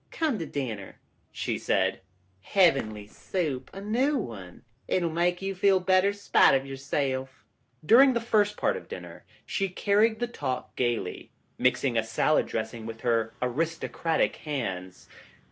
" Come to dinner," she said, " heavenly soup. A new one. It'll make you feel better spite of yourself." During the first part of dinner she carried the talk gaily, mixed a salad dressing with her aristocratic hands.